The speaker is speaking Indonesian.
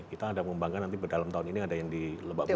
kita ada membanggakan nanti dalam tahun ini ada yang di lebak bulus